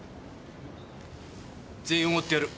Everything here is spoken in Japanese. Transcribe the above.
全員おごってやる。